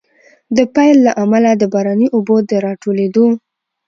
د پيل له امله، د باراني اوبو د راټولېدو